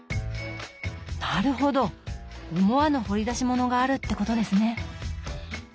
なるほど思わぬ掘り出しものがあるってことですね！